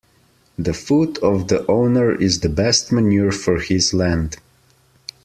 The foot of the owner is the best manure for his land.